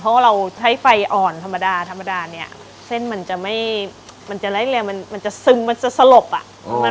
เพราะว่าเราใช้ไฟอ่อนธรรมดาธรรมดาเนี่ยเส้นมันจะไม่มันจะไล่เร็วมันจะซึมมันจะสลบอ่ะ